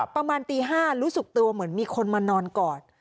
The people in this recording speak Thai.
ประมาณตี๕รู้สึกตัวเหมือนมีคนมานอนกอด